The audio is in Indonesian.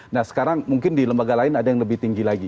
nah sekarang mungkin di lembaga lain ada yang lebih tinggi lagi